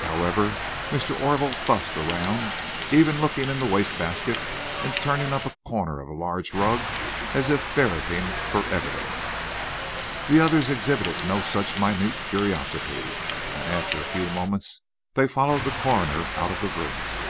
However, Mr. Orville fussed around, even looking into the wastebasket, and turning up a corner of a large rug as if ferreting for evidence. The others exhibited no such minute curiosity, and, after a few moments, they followed the coroner out of the room.